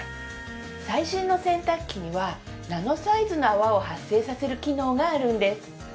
最新の洗濯機にはナノサイズの泡を発生させる機能があるんです